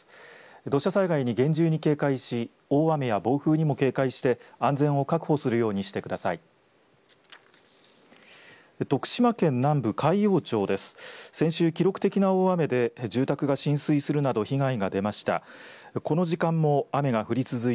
土砂災害に厳重に警戒し大雨や暴風にも警戒して安全を確保するようにしてください。